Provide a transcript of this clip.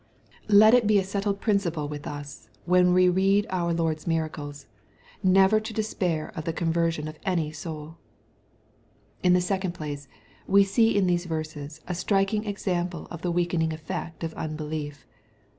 Let it be a settled principle 212 JEZPOSITORY THOUGHTS. with 118, when we read our Lord's miracles, never to despair of the conversion of any soul. In the second place, we see in these verses a striking example of the weakening effect of unbelief.